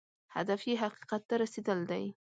هدف یې حقیقت ته رسېدل دی.